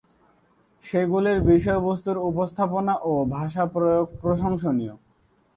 সেগুলির বিষয়বস্ত্তর উপস্থাপনা ও ভাষা প্রয়োগ প্রশংসনীয়।